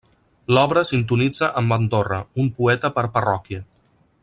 L'obra sintonitza amb Andorra: un poeta per parròquia.